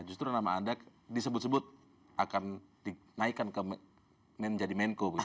justru nama anda disebut sebut akan dinaikkan ke menjadi menko